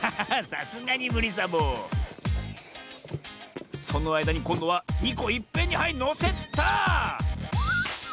さすがにむりサボそのあいだにこんどは２こいっぺんにはいのせた！